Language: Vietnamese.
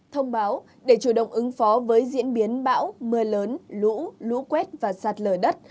thông báo để chủ động ứng phó với diễn biến bão mưa lớn lũ lũ quét và sạt lở đất